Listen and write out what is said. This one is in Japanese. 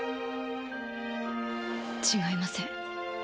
違いません。